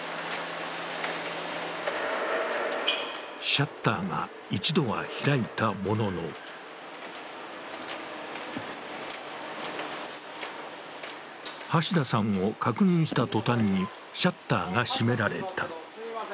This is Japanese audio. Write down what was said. シャッターが一度は開いたものの橋田さんを確認した途端にシャッターが閉められた。